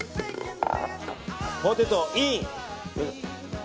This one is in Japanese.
ポテト、イン！